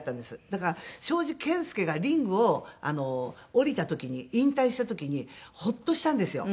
だから正直健介がリングを降りた時に引退した時にホッとしたんですよ。